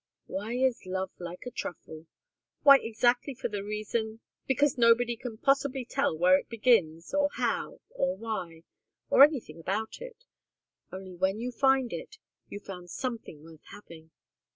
Why is love like a truffle? Why, exactly for that reason because nobody can possibly tell when it begins, or how, or why or anything about it. Only, when you find it, you've found something worth having.